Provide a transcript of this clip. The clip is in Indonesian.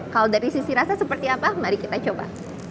kalau dari sisi rasa seperti apa mari kita coba